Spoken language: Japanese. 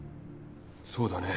そうだね。